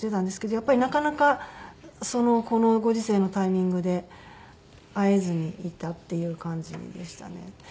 やっぱりなかなかこのご時世のタイミングで会えずにいたっていう感じでしたね。